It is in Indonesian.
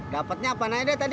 dapetnya apaan aja tadi